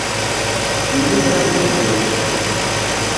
Yella kra i ibeddlen.